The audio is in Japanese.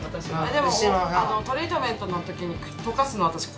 でもトリートメントの時にとかすの私これ。